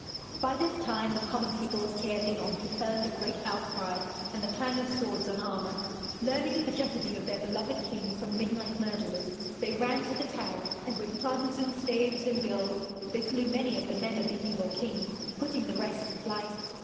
By this time the common people of Caerleon had heard the great outcry and the clang of swords on armour. Learning of the jeopardy of their beloved king from midnight murderers, they ran to the tower, and with clubs and staves and bills they slew many of the men of the evil kings, putting the rest to flight.